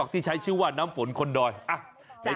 ที่นี่มันเสาครับ